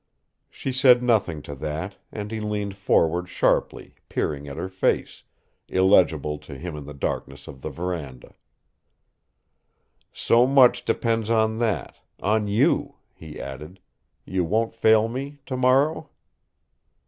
She said nothing to that, and he leaned forward sharply, peering at her face, illegible to him in the darkness of the verandah. "So much depends on that, on you," he added. "You won't fail me tomorrow?"